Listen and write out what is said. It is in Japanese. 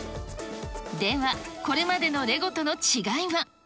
では、これまでのレゴとの違いは。